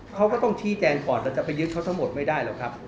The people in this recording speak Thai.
เขาก็ต้องชี้แจงก่อนแต่จะไปยึดเขาทั้งหมดไม่ได้หรอกครับ